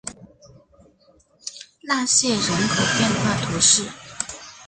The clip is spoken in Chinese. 纳谢人口变化图示